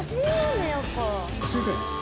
不正解です。